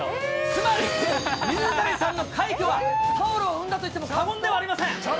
つまり、水谷さんの快挙がタオルを生んだといっても過言ではありません。